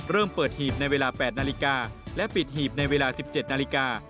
เริ่มเปิดหีบในเวลา๘นาฬิกาและปิดหีบในเวลา๑๗นาฬิกา